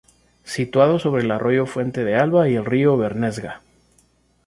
Situado sobre el Arroyo Fuente de Alba y el río Bernesga.